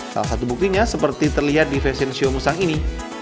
salah satu buktinya seperti terlihat di fashion show musang ini